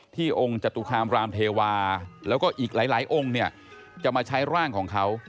องค์จตุคามรามเทวาแล้วก็อีกหลายองค์เนี่ยจะมาใช้ร่างของเขา